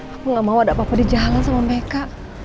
aku gak mau ada apa apa di jalan sama mereka